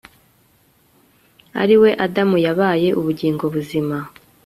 ariwe adamu, yabaye ubugingo buzima